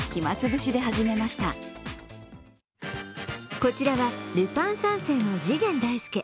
こちらは、「ルパン三世」の次元大介。